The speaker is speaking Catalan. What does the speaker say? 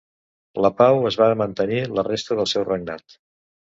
La pau es va mantenir la resta del seu regnat.